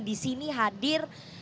di sini hadir